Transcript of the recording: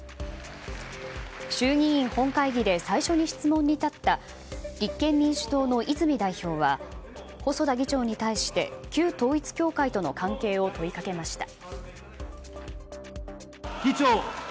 衆議院本会議で最初に質問に立った立憲民主党の泉代表は細田議長に対して旧統一教会との関係を問いかけました。